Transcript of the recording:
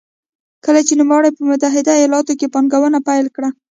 کله چې نوموړي په متحده ایالتونو کې پانګونه پیل کړه.